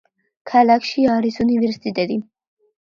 ქალაქში არის უნივერსიტეტი.